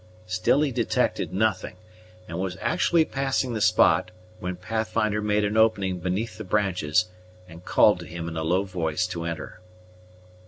Still he detected nothing, and was actually passing the spot when Pathfinder made an opening beneath the branches, and called to him in a low voice to enter.